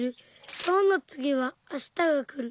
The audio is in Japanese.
きょうのつぎはあしたが来る。